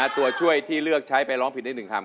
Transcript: ตัวช่วยที่เลือกใช้ไปร้องผิดได้๑คำ